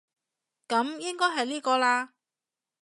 噉應該係呢個喇